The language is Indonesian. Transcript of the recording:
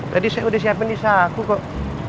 tadi saya udah siapin di saku kok